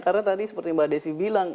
karena tadi seperti mbak desi bilang